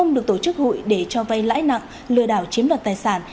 được tổ chức hụi để cho vay lãi nặng lừa đảo chiếm đoạt tài sản